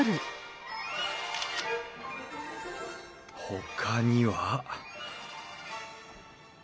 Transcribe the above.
ほかには？